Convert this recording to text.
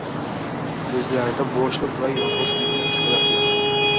o‘zlarida bo‘shliq va yolg‘izlikni his qiladilar.